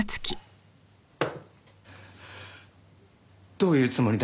どういうつもりだ？